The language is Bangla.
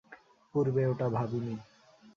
পূর্বে ওটা ভাবি নি।